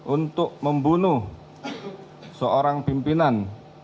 untuk membunuh seorang pimpinan